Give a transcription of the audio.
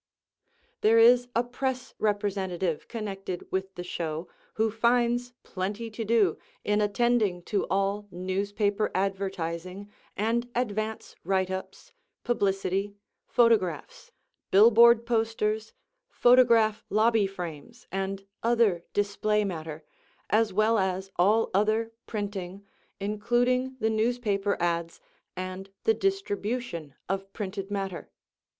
There is a press representative connected with the show who finds plenty to do in attending to all newspaper advertising and advance writeups, publicity, photographs, billboard posters, photograph lobby frames and other display matter, as well as all other printing, including the newspaper ads and the distribution of printed matter.